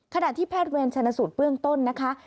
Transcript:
ขณะที่แพทย์เวรชนะสูตรเบื้องต้นนะคะ